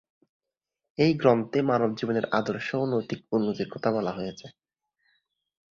এই গ্রন্থে মানব জীবনের আদর্শ ও নৈতিক উন্নতির কথা বলা হয়েছে।